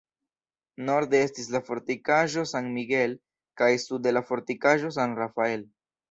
Norde estis la fortikaĵo San Miguel kaj sude la fortikaĵo San Rafael.